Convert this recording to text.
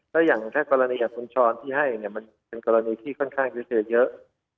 ก็อย่างกรณีอย่างคุณชรที่ให้เนี่ยมันเป็นกรณีที่ค่อนข้างเยอะเยอะ